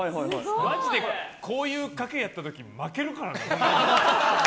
ガチで、こういう賭けやった時負けるからね。